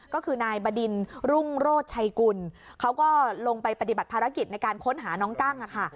ก็คือนายบดินรุ่งโรธชัยกุลเขาก็ลงไปปฏิบัติภารกิจในการค้นหาน้องกั้งค่ะ